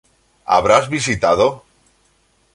¿Habrás visitado?